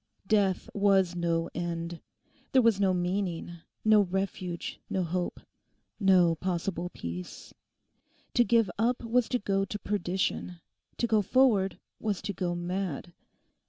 Death was no end. There was no meaning, no refuge, no hope, no possible peace. To give up was to go to perdition: to go forward was to go mad.